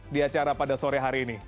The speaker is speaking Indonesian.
di acara pada sore hari ini